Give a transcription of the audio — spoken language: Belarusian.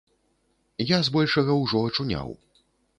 Я збольшага ўжо ачуняў.